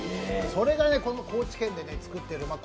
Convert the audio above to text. それが、高知県で作っている。